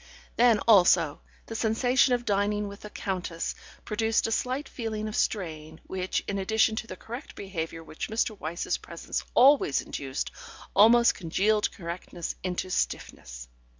... Then also, the sensation of dining with a countess produced a slight feeling of strain, which, in addition to the correct behaviour which Mr. Wyse's presence always induced, almost congealed correctness into stiffness.